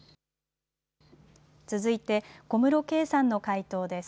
続いて、小室圭さんの回答です。